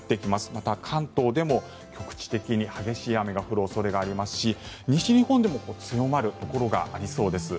また、関東でも局地的に激しい雨が降る恐れがありますし西日本でも強まるところがありそうです。